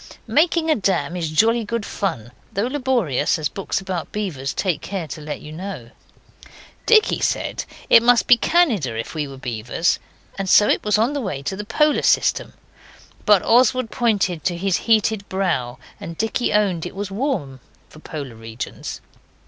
Making a dam is jolly good fun, though laborious, as books about beavers take care to let you know. Dicky said it must be Canada if we were beavers, and so it was on the way to the Polar system, but Oswald pointed to his heated brow, and Dicky owned it was warm for Polar regions.